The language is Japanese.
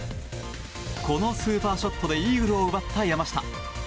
このスーパーショットでイーグルを奪った山下。